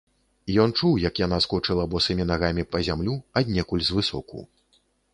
Ён чуў, як яна скочыла босымі нагамі па зямлю аднекуль звысоку.